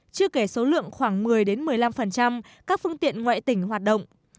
chưa kể số lượng khoảng một mươi một mươi năm các phương tiện ngoại tỉnh hoạt động